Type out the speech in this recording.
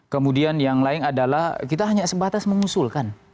kemudian yang lain adalah kita hanya sebatas mengusul kan